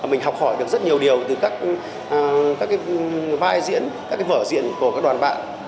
mình học hỏi được rất nhiều điều từ các cái vai diễn các vở diễn của các đoàn bạn